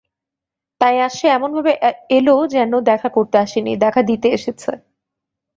তাই আজ সে এমনভাবে এল যেন দেখা করতে আসে নি, দেখা দিতে এসেছে।